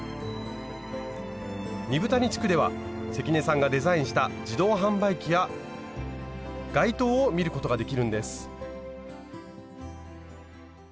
二風谷地区では関根さんがデザインした自動販売機や街灯を見ることができるんです。